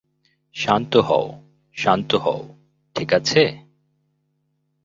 শান্ত হও শান্ত হও, ঠিক আছে?